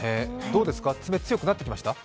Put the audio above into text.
どうですか、爪強くなってきました？